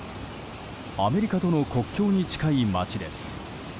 アメリカとの国境に近い街です。